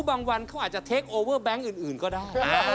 วันเขาอาจจะเทคโอเวอร์แบงค์อื่นก็ได้